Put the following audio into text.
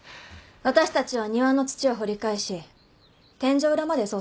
私たちは庭の土を掘り返し天井裏まで捜索しました。